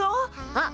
あっ